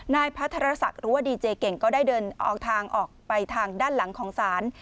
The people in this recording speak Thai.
นายพระธรรษักรวดดีเจเก่งก็ได้เดินออกทางออกไปทางด้านหลังของสาร